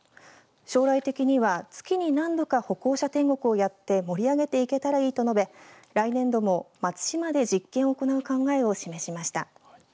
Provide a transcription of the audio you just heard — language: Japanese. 将来的には月に何度か歩行者天国をやって盛り上げていけたらいいと述べ来年度も松島で実験を行う考えを示しました。